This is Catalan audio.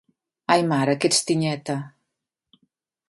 Ai mare, que ets tinyeta!